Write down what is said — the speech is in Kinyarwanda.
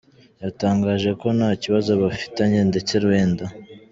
Yatangaje ko nta kibazo bafitanye ndetse wenda